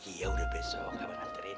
iya udah besok abang nantrin